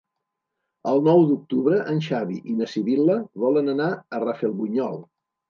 El nou d'octubre en Xavi i na Sibil·la volen anar a Rafelbunyol.